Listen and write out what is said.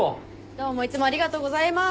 どうもいつもありがとうございます。